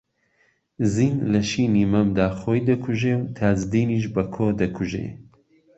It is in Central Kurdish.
زین لە شینی مەمدا خۆی دەکوژێ و تاجدینیش بەکۆ دەکوژێ